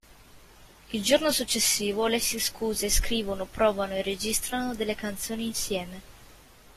Il giorno successivo lei si scusa e scrivono, provano e registrano delle canzoni insieme.